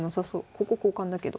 ここ交換だけど。